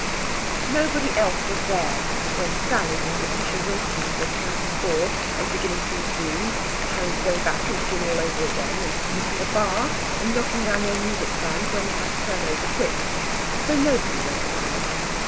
Nobody else was there when Sally and Lætitia Wilson were counting four, and beginning too soon, and having to go back and begin all over again, and missing a bar, and knocking down their music stands when they had to turn over quick. So nobody went mad.